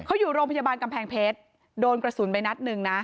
เขาอยู่โรงพยาบาลกำแพงเพชรโดนกระสุนไปนัดหนึ่งนะ